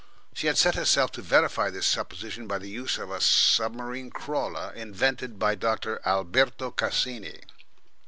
She had set herself to verify this supposition by the use of the submarine crawler invented by Doctor Alberto Cassini.